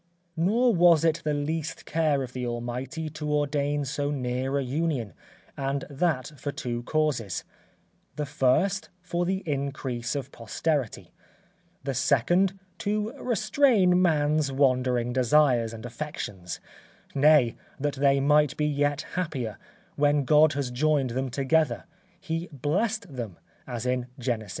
Nor was it the least care of the Almighty to ordain so near a union, and that for two causes; the first, for the increase of posterity; the second, to restrain man's wandering desires and affections; nay, that they might be yet happier, when God has joined them together, he "blessed them," as in Gen. ii.